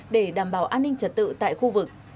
để đảm bảo an ninh trật tự tại khu vực